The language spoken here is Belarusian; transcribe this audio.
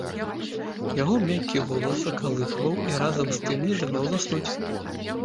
Яго мяккі голас закалыхваў і разам з тым не даваў заснуць.